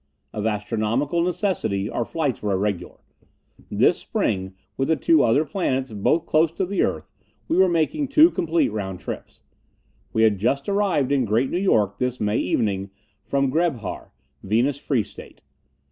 Of astronomical necessity, our flights were irregular. This spring, with the two other planets both close to the earth, we were making two complete round trips. We had just arrived in Great New York, this May evening, from Grebhar, Venus Free State.